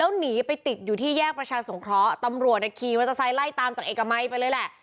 แล้วหนีไปติดอยู่ที่แยกประชาสงเคราะห์ตำรวจขี่มอเตอร์ไซค์ไล่ตามจากเอกมัยไปเลยแหละ